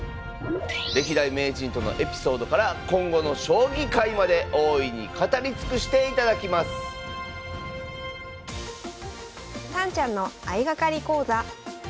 歴代名人とのエピソードから今後の将棋界まで大いに語り尽くしていただきますさんちゃんの相掛かり講座。